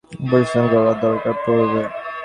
একজন রাজকন্যার কেন কঠোর পরিশ্রম করার দরকার পড়বে?